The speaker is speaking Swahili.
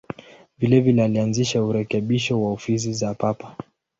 Vilevile alianza urekebisho wa ofisi za Papa.